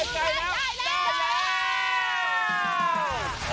คุณสวรรค์ล่าเลิศ